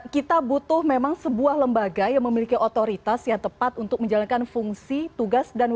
kita butuh memang sebuah lembaga yang memiliki otoritas yang tepat untuk menjalankan fungsi tugas dan fungsi